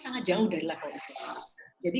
sangat jauh dari level itu jadi